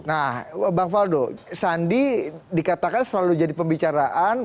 nah bang faldo sandi dikatakan selalu jadi pembicaraan